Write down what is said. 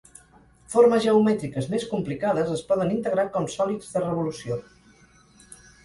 Formes geomètriques més complicades es poden integrar com sòlids de revolució.